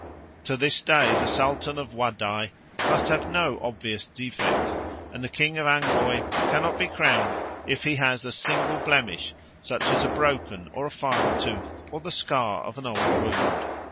To this day the Sultan of Wadai must have no obvious bodily defect, and the king of Angoy cannot be crowned if he has a single blemish, such as a broken or a filed tooth or the scar of an old wound.